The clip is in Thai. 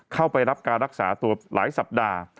เข้าไปรับการรักษาตัวหลายสัปดาห์